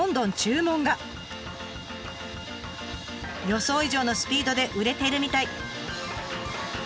予想以上のスピードで売れてるみたい。